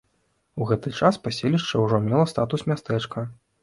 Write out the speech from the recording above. У гэты час паселішча ўжо мела статус мястэчка.